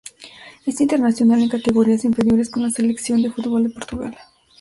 Es internacional en categorías inferiores con la selección de fútbol de Portugal.